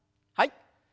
はい。